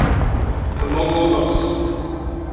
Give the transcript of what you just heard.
among others.